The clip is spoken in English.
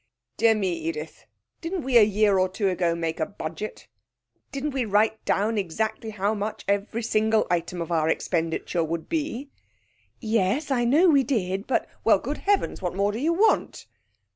'Dear me, Edith, didn't we a year or two ago make a Budget? Didn't we write down exactly how much every single item of our expenditure would be?' 'Yes; I know we did; but ' 'Well, good heavens, what more do you want?'